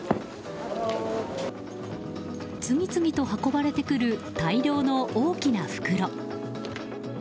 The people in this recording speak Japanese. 次々と運ばれてくる大量の大きな袋。